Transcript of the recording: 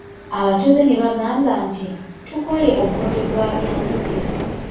Abatuuze ne bagamba nti, tukooye obukodyo bwa Byansi.